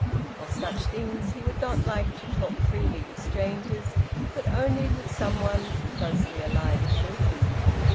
Of such things he would not like to talk freely with strangers, but only with some one closely allied to him.